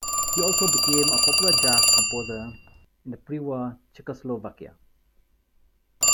He also became a popular jazz composer in pre-war Czechoslovakia.